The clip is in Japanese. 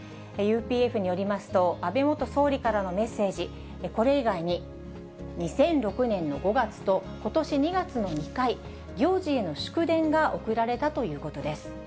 ＵＰＦによりますと、安倍元総理からのメッセージ、これ以外に２００６年の５月と、ことし２月の２回、行事への祝電が送られたということです。